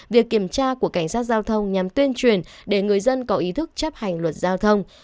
việc kiểm tra của cảnh sát giao thông nhằm tuyên truyền để người dân có ý thức chấp hành luật giao thông